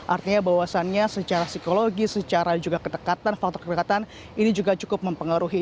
artinya bahwasannya secara psikologi secara juga ketekatan faktor ketekatan ini juga cukup mempengaruhi